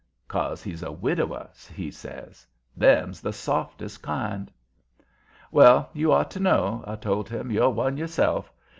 "'Cause he's a widower," he says. "Them's the softest kind." "Well, you ought to know," I told him. "You're one yourself.